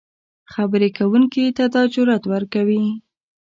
خبرې کوونکي ته دا جرات ورکوي